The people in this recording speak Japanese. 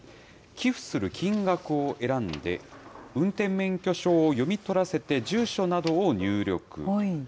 寄付する金額を選んで、運転免許証を読み取らせて住所などを入力。